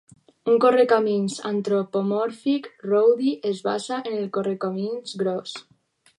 Un correcamins antropomòrfic, Rowdy es basa en el correcamins gros .